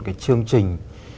cái chương trình